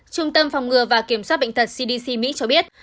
trung tâm phòng ngừa và kiểm soát bệnh tật cdc mỹ cho biết